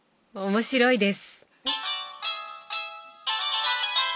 面白いです！